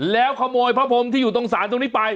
แล้วขโมยพระพรมที่อยู่ตรงศาลตรงนี้ไป